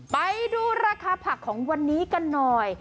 ไปดูราคาผักของวันนี้กันหน่อย